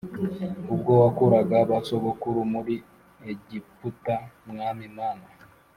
ubwo wakuraga ba sogokuruza muri Egiputa Mwami Mana